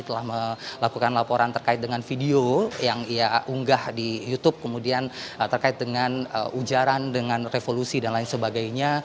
telah melakukan laporan terkait dengan video yang ia unggah di youtube kemudian terkait dengan ujaran dengan revolusi dan lain sebagainya